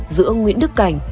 giữa nguyễn đức cảnh